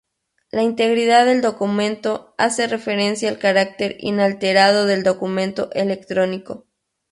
La integridad del documento hace referencia al carácter inalterado del documento electrónico.